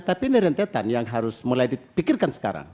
tapi ini rentetan yang harus mulai dipikirkan sekarang